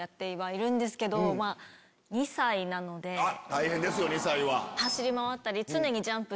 大変ですよ２歳は。